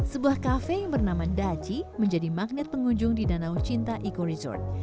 sebuah kafe yang bernama daci menjadi magnet pengunjung di danau cinta eco resort